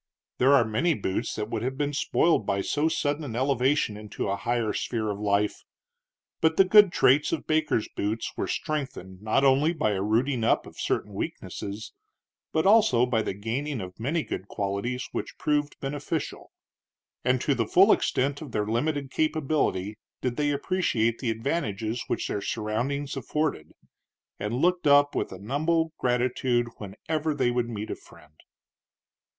There are many boots that would have been spoiled by so sudden an elevation into a higher sphere of life; but the good traits of Baker's boots were strengthened not only by a rooting up of certain weaknesses, but also by the gaining of many good qualities which proved beneficial; and to the full extent of their limited capability did they appreciate the advantages which their surroundings afforded, and looked up with humble gratitude whenever they would meet a friend.